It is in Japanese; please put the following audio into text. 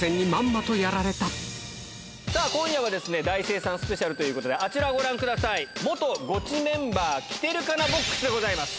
さあ、今夜はですね、大精算スペシャルということで、あちらをご覧ください、元ゴチメンバー来てるかなボックスでございます。